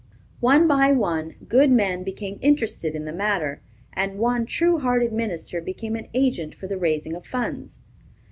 One by one, good men became interested in the matter, and one true hearted minister became an agent for the raising of funds.